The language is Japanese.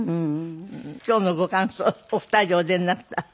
今日のご感想お二人でお出になった。